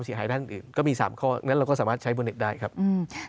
เสียหายด้านอื่นก็มี๓ข้อแล้วก็สามารถใช้บนเน็ตได้ถ้าเรา